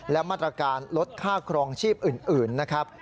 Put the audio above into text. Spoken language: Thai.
และมาตรการลดค่าครองชีพอื่นนะครับ